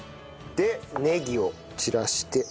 でネギを散らして。